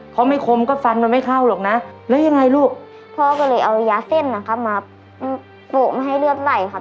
เขาไม่คมก็ฟันมันไม่เข้าหรอกนะแล้วยังไงลูกพ่อก็เลยเอายาเส้นนะครับมาโปะไม่ให้เลือดไหลครับ